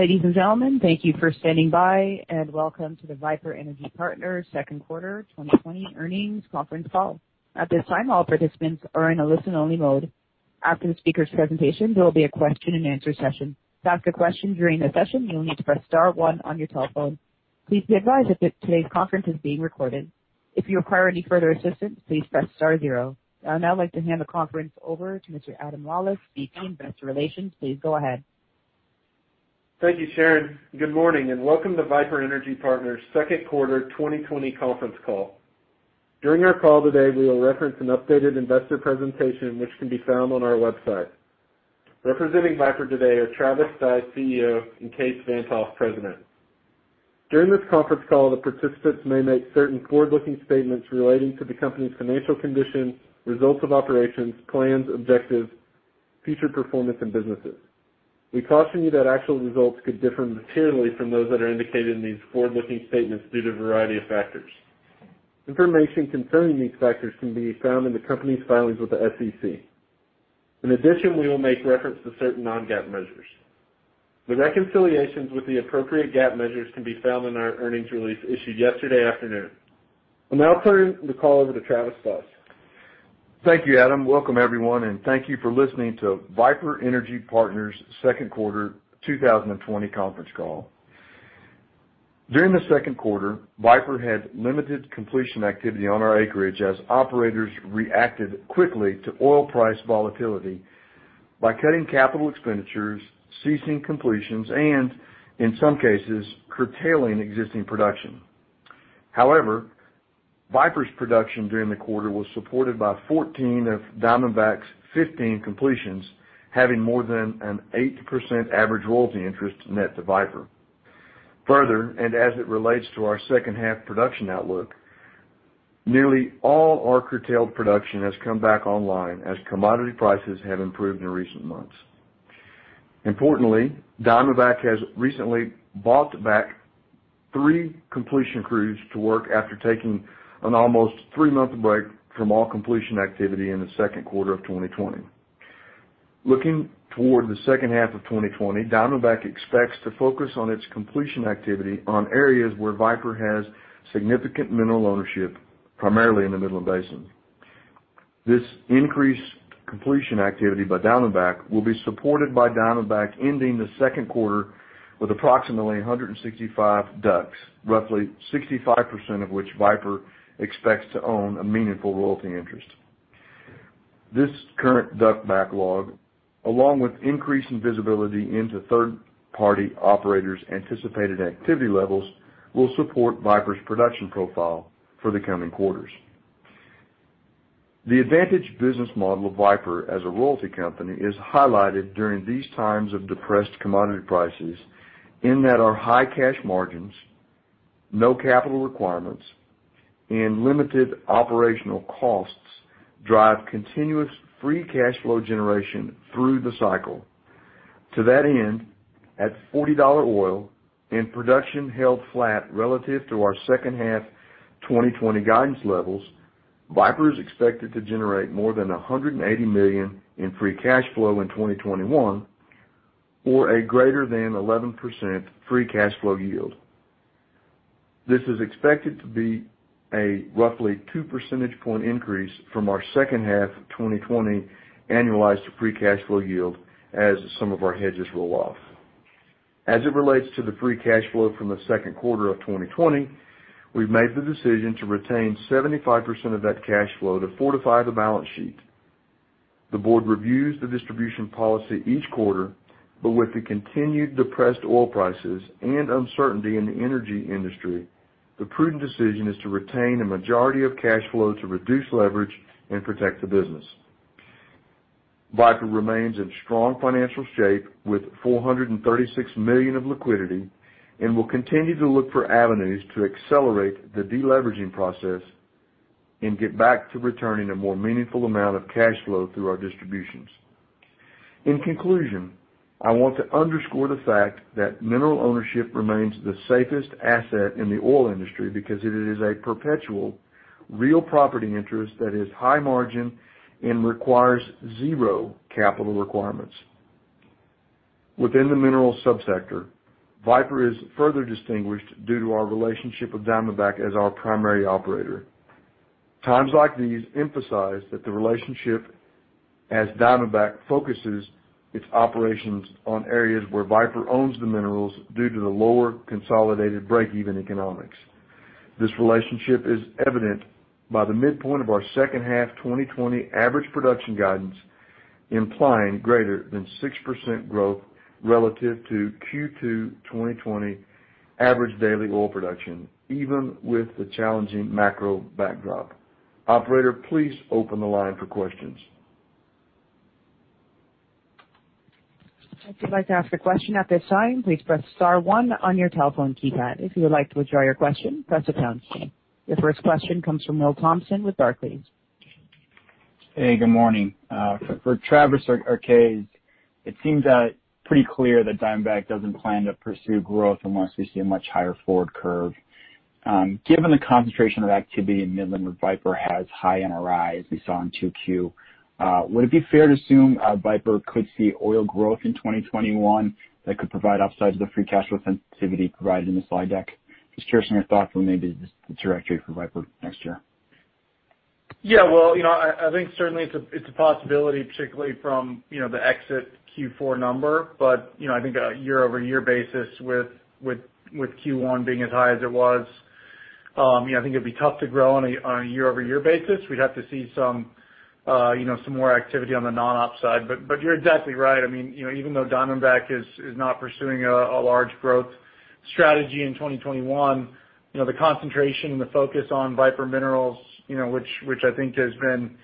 Ladies and gentlemen, thank you for standing by, and welcome to the Viper Energy Partners Second Quarter 2020 Earnings Conference Call. At this time, all participants are in a listen-only mode. After the speakers' presentation, there will be a question-and-answer session. To ask a question during the session, you'll need to press star one on your telephone. Please be advised that today's conference is being recorded. If you require any further assistance, please press star zero. I would now like to hand the conference over to Mr. Adam Lawlis, VP, Investor Relations. Please go ahead. Thank you, Sharon. Good morning and welcome to Viper Energy Partners' Second Quarter 2020 Conference Call. During our call today, we will reference an updated investor presentation which can be found on our website. Representing Viper today are Travis Stice, CEO, and Kaes Van't Hof, President. During this conference call, the participants may make certain forward-looking statements relating to the company's financial condition, results of operations, plans, objectives, future performance, and businesses. We caution you that actual results could differ materially from those that are indicated in these forward-looking statements due to a variety of factors. Information concerning these factors can be found in the company's filings with the SEC. In addition, we will make reference to certain non-GAAP measures. The reconciliations with the appropriate GAAP measures can be found in our earnings release issued yesterday afternoon. I'll now turn the call over to Travis Stice. Thank you, Adam. Welcome everyone, and thank you for listening to Viper Energy Partners' Second Quarter 2020 Conference Call. During the second quarter, Viper had limited completion activity on our acreage as operators reacted quickly to oil price volatility by cutting capital expenditures, ceasing completions, and in some cases, curtailing existing production. However, Viper's production during the quarter was supported by 14 of Diamondback's 15 completions, having more than an 8% average royalty interest net to Viper. Further, as it relates to our second half production outlook, nearly all our curtailed production has come back online as commodity prices have improved in recent months. Importantly, Diamondback has recently brought back three completion crews to work after taking an almost three-month break from all completion activity in the second quarter of 2020. Looking toward the second half of 2020, Diamondback expects to focus on its completion activity on areas where Viper has significant mineral ownership, primarily in the Midland Basin. This increased completion activity by Diamondback will be supported by Diamondback ending the second quarter with approximately 165 DUCs, roughly 65% of which Viper expects to own a meaningful royalty interest. This current DUC backlog, along with increasing visibility into third-party operators' anticipated activity levels, will support Viper's production profile for the coming quarters. The advantaged business model of Viper as a royalty company is highlighted during these times of depressed commodity prices, in that our high cash margins, no capital requirements, and limited operational costs drive continuous free cash flow generation through the cycle. To that end, at $40 oil and production held flat relative to our second half 2020 guidance levels, Viper is expected to generate more than $180 million in free cash flow in 2021, or a greater than 11% free cash flow yield. This is expected to be a roughly two percentage point increase from our second half 2020 annualized free cash flow yield as some of our hedges roll off. As it relates to the free cash flow from the second quarter of 2020, we've made the decision to retain 75% of that cash flow to fortify the balance sheet. The board reviews the distribution policy each quarter, but with the continued depressed oil prices and uncertainty in the energy industry, the prudent decision is to retain a majority of cash flow to reduce leverage and protect the business. Viper remains in strong financial shape with $436 million of liquidity and will continue to look for avenues to accelerate the de-leveraging process and get back to returning a more meaningful amount of cash flow through our distributions. In conclusion, I want to underscore the fact that mineral ownership remains the safest asset in the oil industry because it is a perpetual real property interest that is high margin and requires zero capital requirements. Within the mineral subsector, Viper is further distinguished due to our relationship with Diamondback as our primary operator. Times like these emphasize that the relationship as Diamondback focuses its operations on areas where Viper owns the minerals due to the lower consolidated breakeven economics. This relationship is evident by the midpoint of our second half 2020 average production guidance, implying greater than 6% growth relative to Q2 2020 average daily oil production, even with the challenging macro backdrop. Operator, please open the line for questions. If you'd like to ask a question at this time, please press star one on your telephone keypad. If you would like to withdraw your question, press the pound key. Your first question comes from Will Thompson with Barclays. Hey, good morning. For Travis or Kaes, it seems pretty clear that Diamondback doesn't plan to pursue growth unless we see a much higher forward curve. Given the concentration of activity in Midland where Viper has high NRI, as we saw in Q2, would it be fair to assume Viper could see oil growth in 2021 that could provide upside to the free cash flow sensitivity provided in the slide deck? Just curious on your thoughts on maybe just the trajectory for Viper next year. Yeah. Well, I think certainly it's a possibility, particularly from the exit Q4 number. I think a year-over-year basis with Q1 being as high as it was, I think it'd be tough to grow on a year-over-year basis. We'd have to see some more activity on the non-op side. You're exactly right. Even though Diamondback is not pursuing a large growth strategy in 2021, the concentration and the focus on Viper Minerals, which I think has been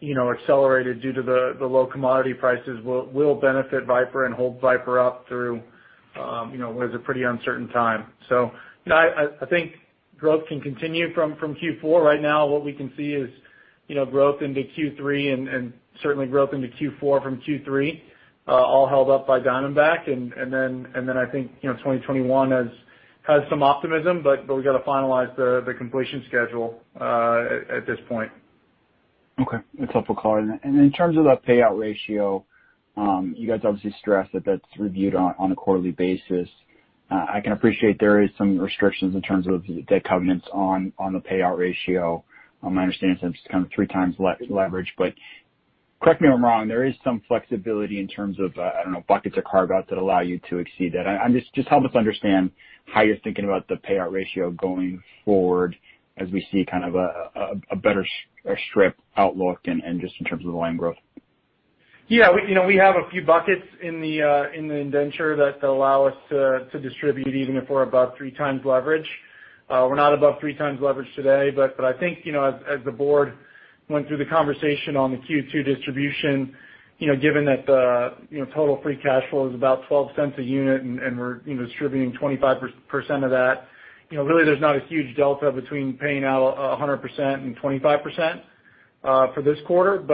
accelerated due to the low commodity prices, will benefit Viper and hold Viper up through what is a pretty uncertain time. I think growth can continue from Q4. Right now, what we can see is growth into Q3 and certainly growth into Q4 from Q3, all held up by Diamondback. I think 2021 has some optimism, but we've got to finalize the completion schedule at this point. Okay. That's helpful color. In terms of the payout ratio, you guys obviously stressed that that's reviewed on a quarterly basis. I can appreciate there is some restrictions in terms of debt covenants on the payout ratio. My understanding is that it's kind of three times leverage. Correct me if I'm wrong, there is some flexibility in terms of, I don't know, buckets or carve-outs that allow you to exceed that. Just help us understand how you're thinking about the payout ratio going forward as we see kind of a better strip outlook and just in terms of the line growth. Yeah. We have a few buckets in the indenture that allow us to distribute even if we're above 3x leverage. We're not above 3x leverage today, I think as the board went through the conversation on the Q2 distribution, given that the total free cash flow is about $0.12 a unit and we're distributing 25% of that, really there's not a huge delta between paying out 100% and 25% for this quarter.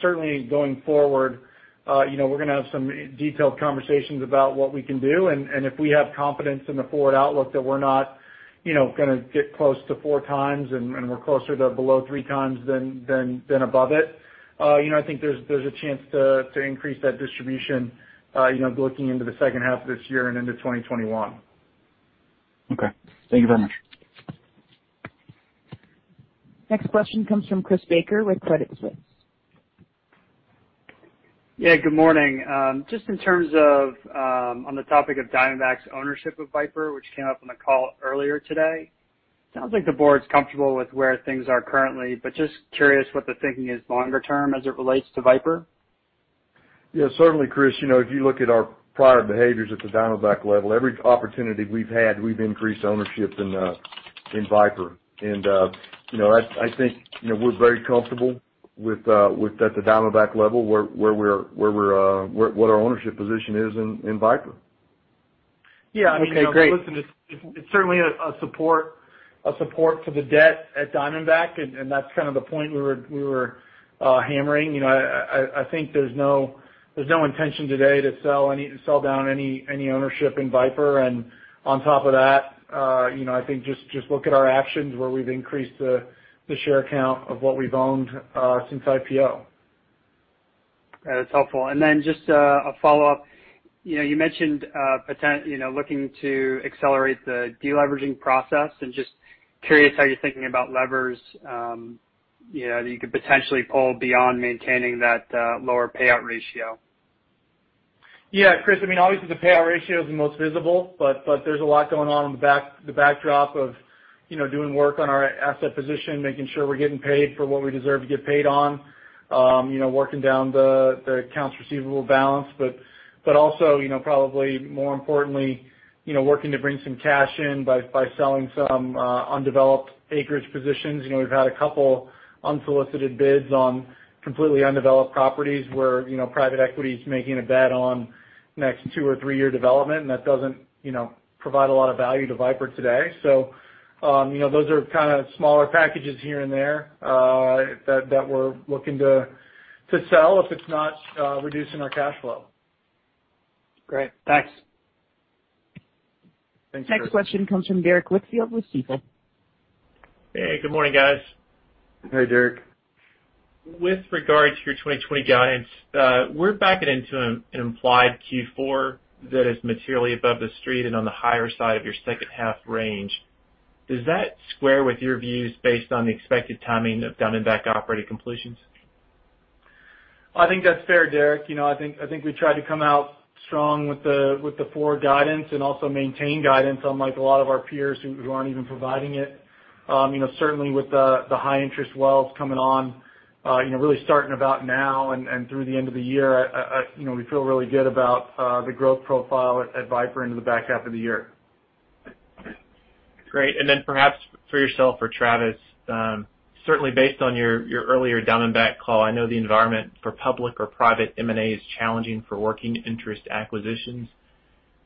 Certainly going forward, we're going to have some detailed conversations about what we can do, and if we have confidence in the forward outlook that we're not going to get close to 4x and we're closer to below 3x than above it, I think there's a chance to increase that distribution looking into the second half of this year and into 2021. Okay. Thank you very much. Next question comes from Chris Baker with Credit Suisse. Yeah, good morning. Just in terms of on the topic of Diamondback's ownership of Viper, which came up on the call earlier today, sounds like the board's comfortable with where things are currently. Just curious what the thinking is longer term as it relates to Viper? Yeah, certainly, Chris. If you look at our prior behaviors at the Diamondback level, every opportunity we've had, we've increased ownership in Viper. I think we're very comfortable at the Diamondback level what our ownership position is in Viper. Yeah. Okay, great. Listen, it's certainly a support to the debt at Diamondback, that's kind of the point we were hammering. I think there's no intention today to sell down any ownership in Viper. On top of that, I think just look at our actions where we've increased the share count of what we've owned since IPO. That's helpful. Just a follow-up. You mentioned looking to accelerate the de-leveraging process and just curious how you're thinking about levers that you could potentially pull beyond maintaining that lower payout ratio. Yeah, Chris, obviously the payout ratio is the most visible, but there's a lot going on in the backdrop of doing work on our asset position, making sure we're getting paid for what we deserve to get paid on, working down the accounts receivable balance. Also probably more importantly, working to bring some cash in by selling some undeveloped acreage positions. We've had a couple unsolicited bids on completely undeveloped properties where private equity is making a bet on next two or three-year development, and that doesn't provide a lot of value to Viper today. Those are kind of smaller packages here and there that we're looking to sell if it's not reducing our cash flow. Great. Thanks. Thanks, Chris. Next question comes from Derrick Whitfield with Stifel. Hey, good morning, guys. Hey, Derrick. With regard to your 2020 guidance, we're backing into an implied Q4 that is materially above the street and on the higher side of your second half range. Does that square with your views based on the expected timing of Diamondback operating completions? I think that's fair, Derrick. I think we tried to come out strong with the forward guidance and also maintain guidance unlike a lot of our peers who aren't even providing it. Certainly with the high interest well coming on really starting about now and through the end of the year, we feel really good about the growth profile at Viper into the back half of the year. Great. Perhaps for yourself or Travis, certainly based on your earlier Diamondback call, I know the environment for public or private M&A is challenging for working interest acquisitions.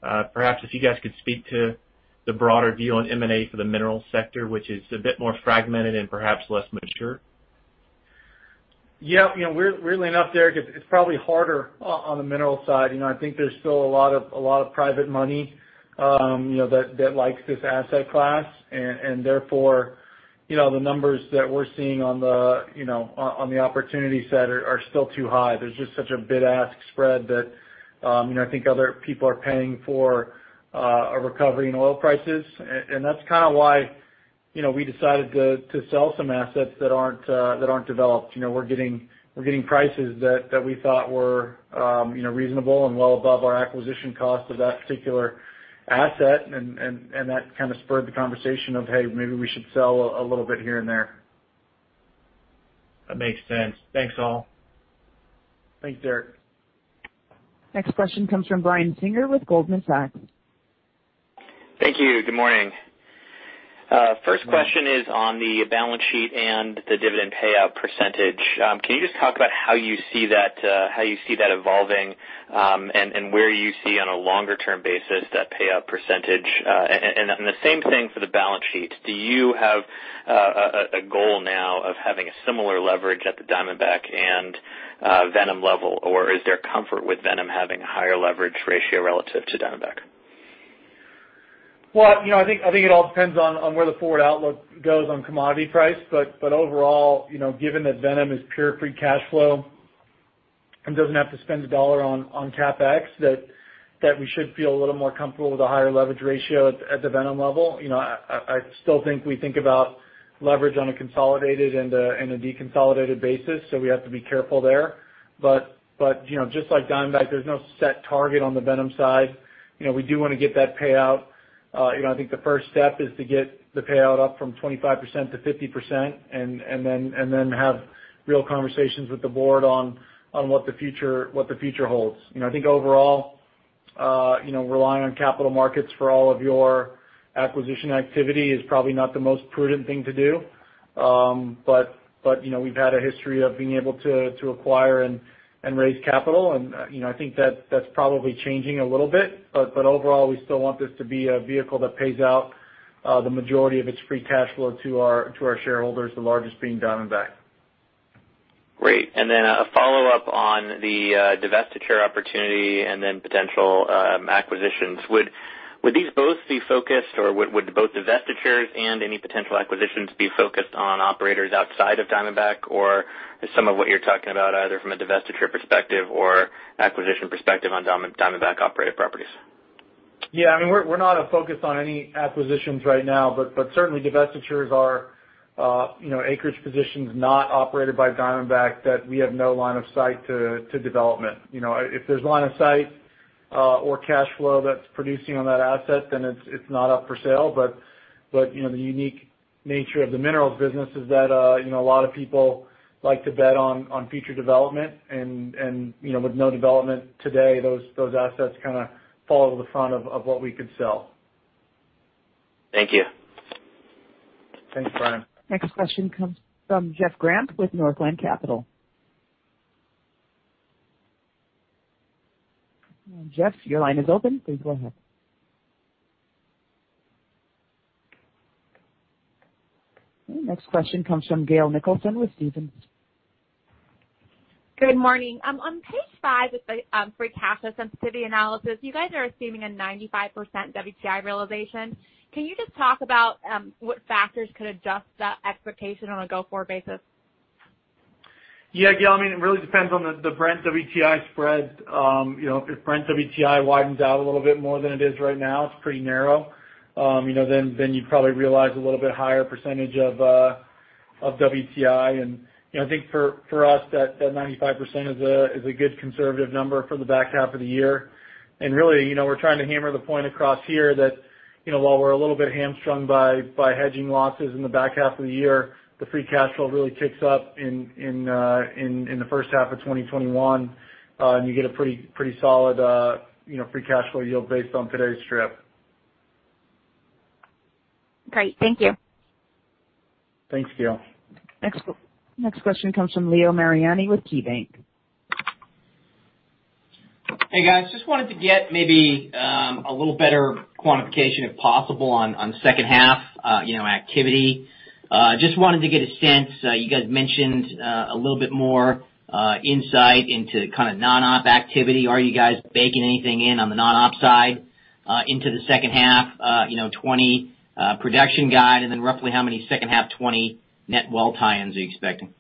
Perhaps if you guys could speak to the broader view on M&A for the minerals sector, which is a bit more fragmented and perhaps less mature. Yeah. Weirdly enough, Derrick, it's probably harder on the mineral side. I think there's still a lot of private money that likes this asset class, therefore, the numbers that we're seeing on the opportunity set are still too high. There's just such a bid-ask spread that I think other people are paying for a recovery in oil prices. That's kind of why we decided to sell some assets that aren't developed. We're getting prices that we thought were reasonable and well above our acquisition cost of that particular asset. That kind of spurred the conversation of, "Hey, maybe we should sell a little bit here and there. That makes sense. Thanks, all. Thanks, Derrick. Next question comes from Brian Singer with Goldman Sachs. Thank you. Good morning. First question is on the balance sheet and the dividend payout percentage. Can you just talk about how you see that evolving and where you see on a longer-term basis that payout percentage? The same thing for the balance sheet, do you have a goal now of having a similar leverage at the Diamondback and Viper level? Or is there comfort with Viper having a higher leverage ratio relative to Diamondback? Well, I think it all depends on where the forward outlook goes on commodity price. Overall, given that Viper is pure free cash flow and doesn't have to spend a dollar on CapEx, that we should feel a little more comfortable with a higher leverage ratio at the Viper level. I still think we think about leverage on a consolidated and a deconsolidated basis, so we have to be careful there. Just like Diamondback, there's no set target on the Viper side. We do want to get that payout. I think the first step is to get the payout up from 25% - 50%, and then have real conversations with the board on what the future holds. I think overall, relying on capital markets for all of your acquisition activity is probably not the most prudent thing to do. We've had a history of being able to acquire and raise capital, and I think that's probably changing a little bit. Overall, we still want this to be a vehicle that pays out the majority of its free cash flow to our shareholders, the largest being Diamondback. Great. A follow-up on the divestiture opportunity and then potential acquisitions. Would these both be focused, or would both divestitures and any potential acquisitions be focused on operators outside of Diamondback? Or is some of what you're talking about either from a divestiture perspective or acquisition perspective on Diamondback-operated properties? Yeah. We're not a focus on any acquisitions right now, but certainly divestitures are acreage positions not operated by Diamondback that we have no line of sight to development. If there's line of sight or cash flow that's producing on that asset, then it's not up for sale. The unique nature of the minerals business is that a lot of people like to bet on future development, and with no development today, those assets kind of fall to the front of what we could sell. Thank you. Thanks, Brian. Next question comes from Jeff Grampp with Northland Capital. Jeff, your line is open. Please go ahead. Okay, next question comes from Gail Nicholson with Stephens. Good morning. On page five of the free cash flow sensitivity analysis, you guys are assuming a 95% WTI realization. Can you just talk about what factors could adjust that expectation on a go-forward basis? Yeah, Gail. It really depends on the Brent WTI spread. If Brent WTI widens out a little bit more than it is right now, it's pretty narrow, then you'd probably realize a little bit higher percentange of WTI. I think for us, that 95% is a good conservative number for the back half of the year. Really, we're trying to hammer the point across here that while we're a little bit hamstrung by hedging losses in the back half of the year, the free cash flow really kicks up in the first half of 2021, and you get a pretty solid free cash flow yield based on today's strip. Great. Thank you. Thanks, Gail. Next question comes from Leo Mariani with KeyBanc. Hey, guys. Just wanted to get maybe a little better quantification, if possible, on second half activity. Just wanted to get a sense, you guys mentioned a little bit more insight into non-op activity. Are you guys baking anything in on the non-op side into the second half 2020 production guide? Then roughly how many second half 2020 net well tie-ins are you expecting?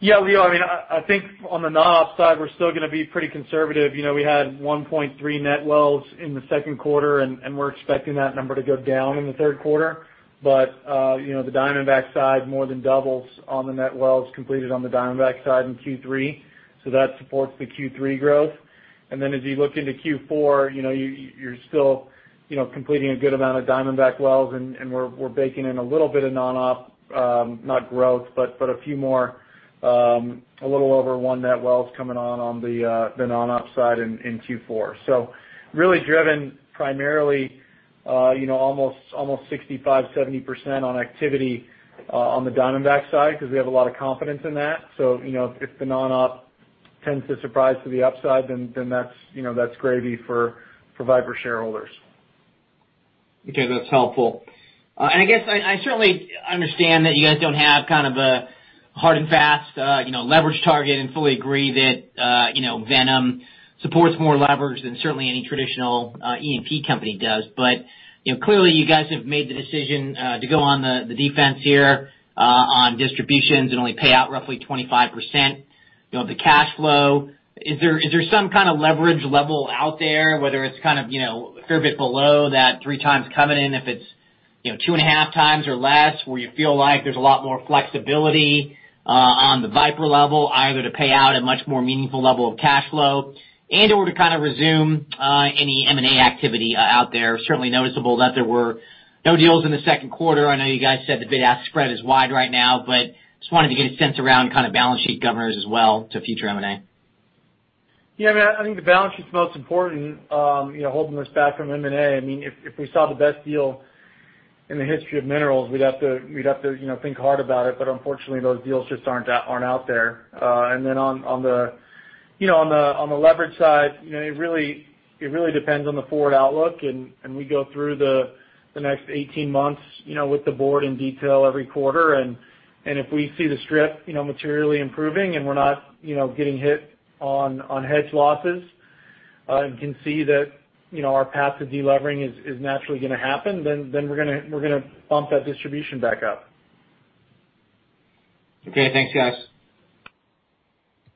Yeah, Leo. I think on the non-op side, we're still going to be pretty conservative. We had 1.3 net wells in the second quarter. We're expecting that number to go down in the third quarter. The Diamondback side more than doubles on the net wells completed on the Diamondback side in Q3. That supports the Q3 growth. As you look into Q4, you're still completing a good amount of Diamondback wells, and we're baking in a little bit of non-op, not growth, but a few more, a little over one net wells coming on the non-op side in Q4. Really driven primarily almost 65%-70% on activity on the Diamondback side because we have a lot of confidence in that. If the non-op tends to surprise to the upside, then that's gravy for Viper shareholders. Okay, that's helpful. I certainly understand that you guys don't have a hard and fast leverage target, and fully agree that Viper supports more leverage than certainly any traditional E&P company does. Clearly you guys have made the decision to go on the defense here on distributions and only pay out roughly 25% of the cash flow. Is there some kind of leverage level out there, whether it's a fair bit below that three times covenant, if it's two and a half times or less, where you feel like there's a lot more flexibility on the Viper level, either to pay out a much more meaningful level of cash flow and or to resume any M&A activity out there? Certainly noticeable that there were no deals in the second quarter. I know you guys said the bid-ask spread is wide right now, but just wanted to get a sense around balance sheet governors as well to future M&A. Yeah, I think the balance sheet's most important, holding us back from M&A. If we saw the best deal in the history of minerals, we'd have to think hard about it, but unfortunately, those deals just aren't out there. Then on the leverage side, it really depends on the forward outlook, and we go through the next 18 months with the board in detail every quarter. If we see the strip materially improving and we're not getting hit on hedge losses, and can see that our path to de-levering is naturally going to happen, then we're going to bump that distribution back up. Okay. Thanks, guys.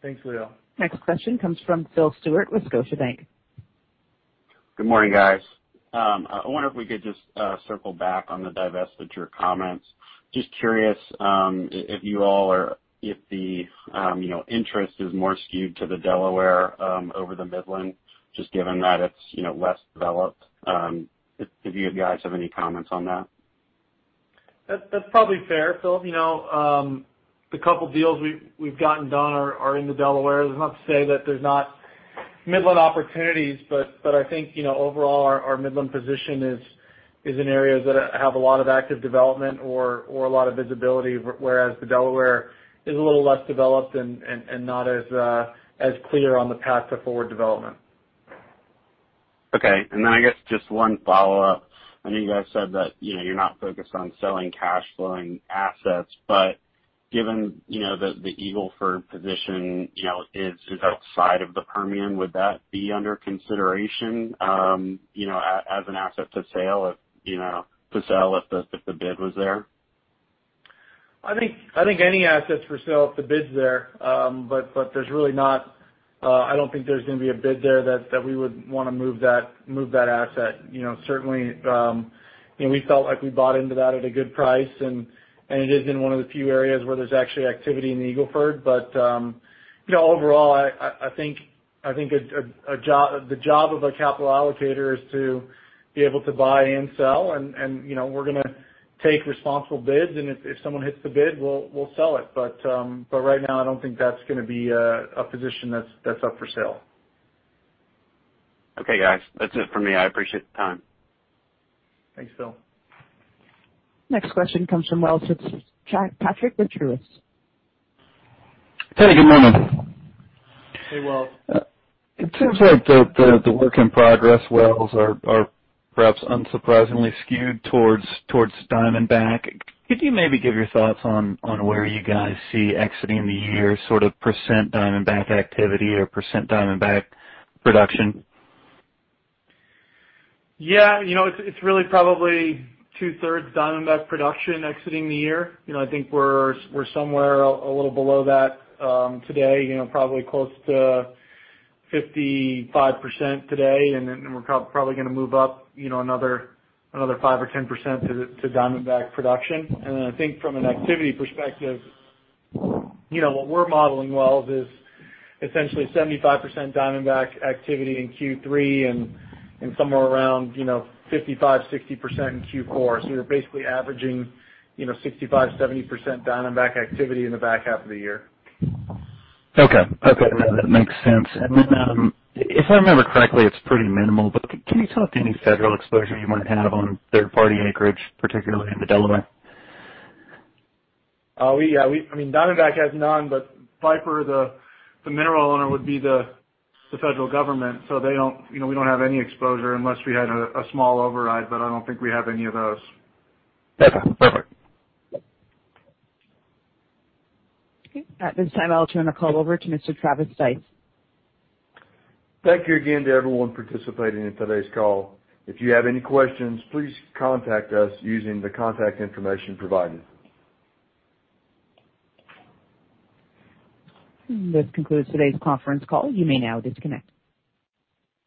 Thanks, Leo. Next question comes from Phil Stewart with Scotiabank. Good morning, guys. I wonder if we could just circle back on the divestiture comments. Just curious if the interest is more skewed to the Delaware over the Midland, just given that it's less developed. If you guys have any comments on that? That's probably fair, Phil. The couple deals we've gotten done are in the Delaware. That's not to say that there's not Midland opportunities, but I think overall our Midland position is in areas that have a lot of active development or a lot of visibility, whereas the Delaware is a little less developed and not as clear on the path to forward development. Okay. I guess just one follow-up. I know you guys said that you're not focused on selling cash flowing assets, given the Eagle Ford position is outside of the Permian, would that be under consideration as an asset to sell if the bid was there? I think any asset's for sale if the bid's there. I don't think there's going to be a bid there that we would want to move that asset. Certainly, we felt like we bought into that at a good price, and it is in one of the few areas where there's actually activity in the Eagle Ford. Overall, I think the job of a capital allocator is to be able to buy and sell, and we're going to take responsible bids, and if someone hits the bid, we'll sell it. Right now, I don't think that's going to be a position that's up for sale. Okay, guys. That's it for me. I appreciate the time. Thanks, Phil. Next question comes from Wells' Patrick Colville. Hey, good morning. Hey, Wells. It seems like the work in progress wells are perhaps unsurprisingly skewed towards Diamondback. Could you maybe give your thoughts on where you guys see exiting the year, sort of percentage Diamondback activity or percentage Diamondback production? It's really probably two-thirds Diamondback production exiting the year. I think we're somewhere a little below that today, probably close to 55% today. Then we're probably going to move up another 5% or 10% to Diamondback production. Then I think from an activity perspective, what we're modeling Wells is essentially 75% Diamondback activity in Q3 and somewhere around 55%-60% in Q4. You're basically averaging 65%-70% Diamondback activity in the back half of the year. Okay. That makes sense. Then if I remember correctly, it's pretty minimal, but can you talk to any federal exposure you might have on third-party acreage, particularly in the Delaware? Diamondback has none, Viper, the mineral owner would be the federal government, we don't have any exposure unless we had a small override, I don't think we have any of those. Okay, perfect. Okay. At this time, I'll turn the call over to Mr. Travis Stice. Thank you again to everyone participating in today's call. If you have any questions, please contact us using the contact information provided. This concludes today's conference call. You may now disconnect.